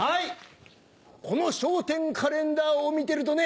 この『笑点』カレンダーを見てるとね